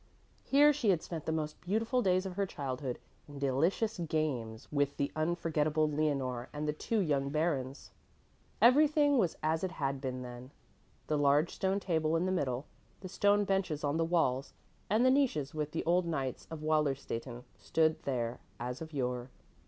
Here she had spent the most beautiful days of her childhood in delicious games with the unforgettable Leonore and the two young Barons. Everything was as it had been then. The large stone table in the middle, the stone benches on the walls and the niches with the old knights of Wallerstätten stood there as of yore.